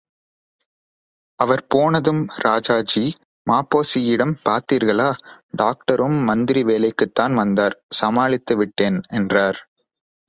அவர் போனதும் ராஜாஜி, ம.பொ.சியிடம் பார்த்தீர்களா, டாக்டரும் மந்திரி வேலைக்குத்தான் வந்தார், சமாளித்துவிட்டேன் என்றார்.